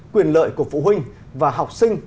quyền lợi của phụ huynh và học sinh